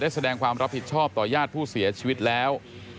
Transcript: แสดงความรับผิดชอบต่อญาติผู้เสียชีวิตแล้ว